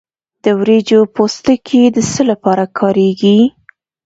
د وریجو پوستکی د څه لپاره کاریږي؟